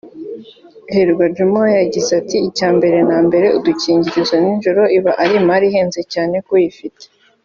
Hirwa Djuma we yagize ati “ Icyambere na mbere udukingirizo ninjoro iba ari imari ihenze cyane k’uyifite